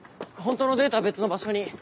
本当のデータは別の場所に。